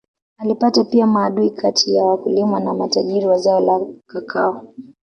Alipata pia maadui kati ya wakulima na matajiri wa zao la kakao